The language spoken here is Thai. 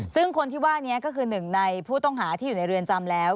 ซึ่งคนที่ว่านี้ก็คือหนึ่งในผู้ต้องหาที่อยู่ในเรือนจำแล้ว